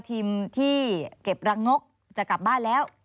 ทีมที่เก็บรังนกจะกลับบ้านแล้ว